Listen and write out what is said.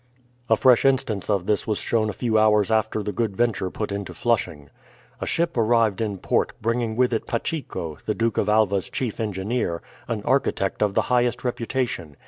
A fresh instance of this was shown a few hours after the Good Venture put into Flushing. A ship arrived in port, bringing with it Pacheco, the Duke of Alva's chief engineer, an architect of the highest reputation.